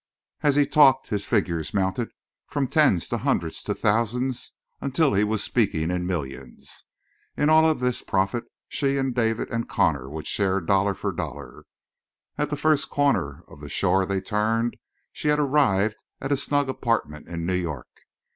And as he talked his figures mounted from tens to hundreds to thousands, until he was speaking in millions. In all of this profit she and David and Connor would share dollar for dollar. At the first corner of the shore they turned she had arrived at a snug apartment in New York.